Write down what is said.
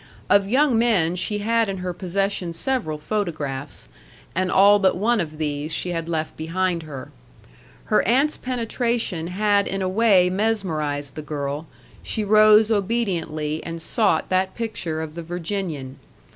Of young men she had in her possession several photographs, and all but one of these she had left behind her. Her aunt's penetration had in a way mesmerized the girl; she rose obediently and sought that picture of the Virginian.